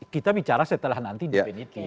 kita bicara setelah nanti definitif